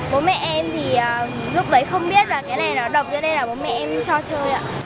bố mẹ em thì lúc đấy không biết là cái này nó độc cho nên là bố mẹ em cho chơi ạ